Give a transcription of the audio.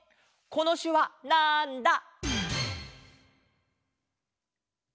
このしゅわなんだ？